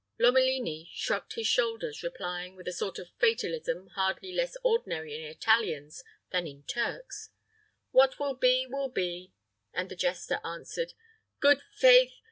Lomelini shrugged his shoulders, replying, with a sort of fatalism hardly less ordinary in Italians than in Turks, "What will be, will be;" and the jester answered, "Good faith!